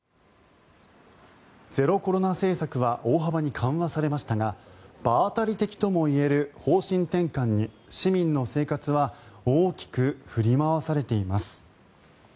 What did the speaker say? ゼロコロナ政策は大幅に緩和されましたが場当たり的ともいえる方針転換に市民の生活は大きく振り回されています。